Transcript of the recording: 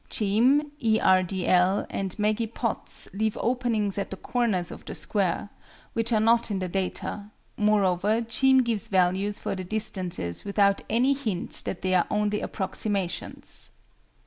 CHEAM, E. R. D. L., and MEGGY POTTS leave openings at the corners of the Square, which are not in the data: moreover CHEAM gives values for the distances without any hint that they are only approximations.